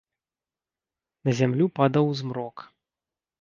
На зямлю падаў змрок.